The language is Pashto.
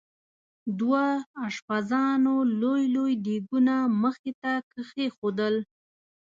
دوه اشپزانو لوی لوی دیګونه مخې ته کېښودل.